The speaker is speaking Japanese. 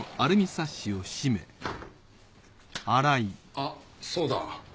あっそうだ。